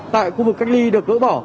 tại khu vực cách ly được dỡ bỏ